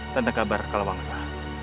tentang kabar kala waksa